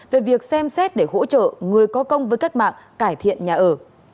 về việc xem xét để hỗ trợ người có công với cách mạng cải thiện nhà ở